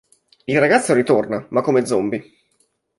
Il ragazzo ritorna, ma come zombi.